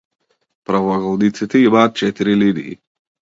Правоаголниците имаат четири линии.